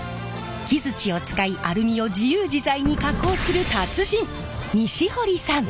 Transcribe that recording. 木づちを使いアルミを自由自在に加工する達人西堀さん！